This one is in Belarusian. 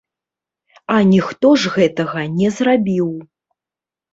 А ніхто ж гэтага не зрабіў.